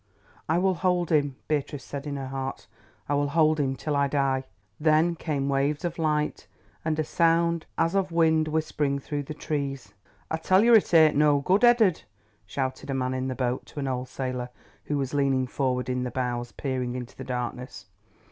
"I will hold him," Beatrice said in her heart; "I will hold him till I die." Then came waves of light and a sound as of wind whispering through the trees, and—all grew dark. "I tell yer it ain't no good, Eddard," shouted a man in the boat to an old sailor who was leaning forward in the bows peering into the darkness.